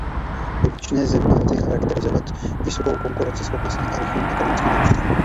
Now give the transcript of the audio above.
Dotyčné země lze charakterizovat vysokou konkurenceschopností a rychlým ekonomickým růstem.